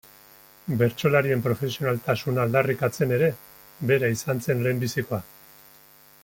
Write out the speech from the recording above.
Bertsolarien profesionaltasuna aldarrikatzen ere, bera izan zen lehenbizikoa.